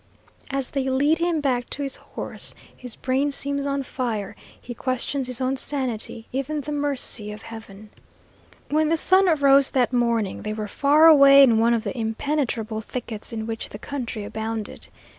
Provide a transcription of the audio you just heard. As they lead him back to his horse, his brain seems on fire; he questions his own sanity, even the mercy of Heaven. When the sun arose that morning, they were far away in one of the impenetrable thickets in which the country abounded.